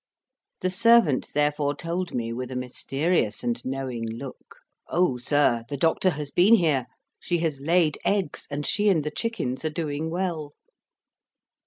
The servant, therefore, told me, with a mysterious and knowing look, 'Oh, sir, the doctor has been here; she has laid eggs, and she and the chickens are doing well.'"